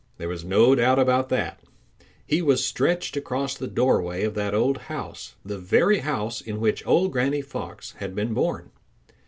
There was no doubt about that. He was stretched across the doorway of that old house, the very house in which old Granny Fox had been born.